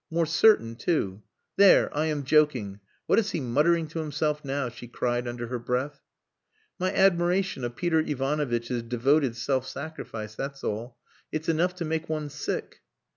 More certain too. There! I am joking.... What is he muttering to himself now?" she cried under her breath. "My admiration of Peter Ivanovitch's devoted self sacrifice, that's all. It's enough to make one sick."